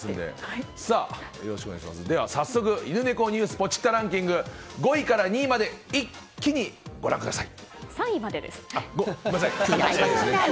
では早速犬猫ニュースポチッたランキング５位から３位まで一気にご覧ください。